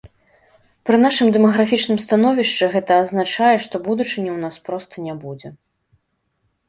Пры нашым дэмаграфічным становішчы гэта азначае, што будучыні ў нас проста не будзе.